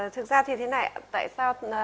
thực ra thì thế này tại sao